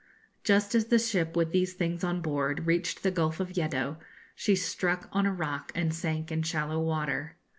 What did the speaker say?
Just as the ship with these things on board reached the Gulf of Yeddo, she struck on a rock and sank in shallow water.